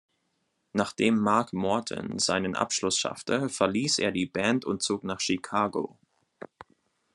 Nachdem Mark Morton seinen Abschluss schaffte, verließ er die Band und zog nach Chicago.